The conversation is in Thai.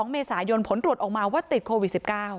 ๒เมษายนผลตรวจออกมาว่าติดโควิด๑๙